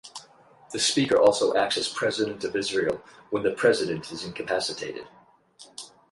The Speaker also acts as President of Israel when the President is incapacitated.